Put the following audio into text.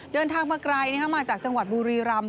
เดินทางมาไกลมาจากจังหวัดบุรีรำ